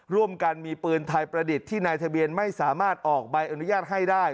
ร่วมกันมีปืนไทยประดิษฐ์ที่นายทะเบียนไม่สามารถออกใบอนุญาตให้ได้